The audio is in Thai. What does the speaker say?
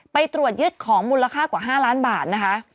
ไปตรวจยึดของมูลค่ากว่า๕ล้านบาทนะคะ